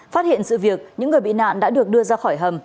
phát hiện sự việc những người bị nạn đã được đưa ra khỏi hầm